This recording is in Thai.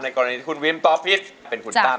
กรณีที่คุณวิมตอบผิดเป็นคุณตั้ม